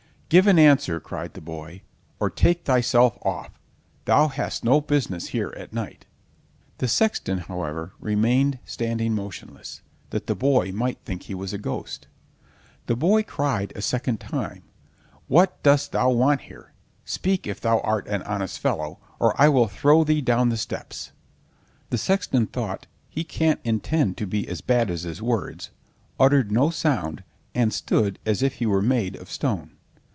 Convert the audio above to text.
"Give an answer," cried the boy, "or take thyself off; thou hast no business here at night." The sexton, however, remained standing motionless, that the boy might think he was a ghost. The boy cried a second time: "What dost thou want here?—speak if thou art an honest fellow, or I will throw thee down the steps!" The sexton thought, "He can't intend to be as bad as his words," uttered no sound and stood as if he were made of stone.